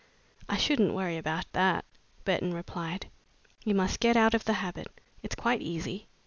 "I shouldn't worry about that," Burton replied. "You must get out of the habit. It's quite easy.